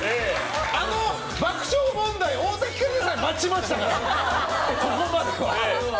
あの爆笑問題・太田光さんも待ちましたから、ここまでは。